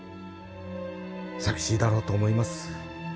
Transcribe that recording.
寂しいだろうと思います